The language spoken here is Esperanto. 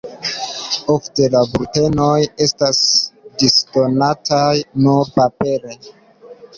Ofte la bultenoj estas disdonataj nur papere.